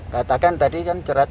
katakan tadi kan